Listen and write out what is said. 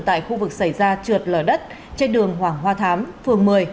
tại khu vực xảy ra trượt lở đất trên đường hoàng hoa thám phường một mươi